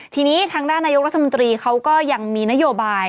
ทีนี้ทางด้านนายกรัฐมนตรีเขาก็ยังมีนโยบาย